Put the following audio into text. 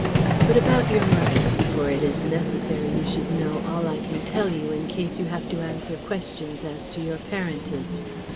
But about your mother for it is necessary you should know all I can tell you in case you have to answer questions as to your parentage.